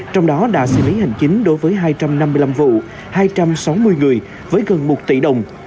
trong đó đã xử lý hành chính đối với hai trăm năm mươi năm vụ hai trăm sáu mươi người với gần một tỷ đồng